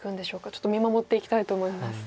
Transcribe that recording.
ちょっと見守っていきたいと思います。